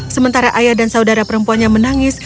sementara ayah dan saudara perempuannya menangis